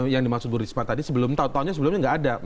yang dimaksud bu risma tadi sebelum tahun tahunnya sebelumnya nggak ada